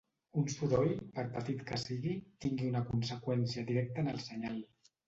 Un soroll, per petit que sigui, tingui una conseqüència directa en el senyal.